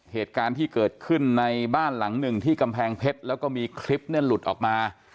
เหตุการณ์ที่เกิดขึ้นในบ้านหลังหนึ่งที่กำแพงเพชรแล้วก็มีคลิปเนี่ยหลุดออกมา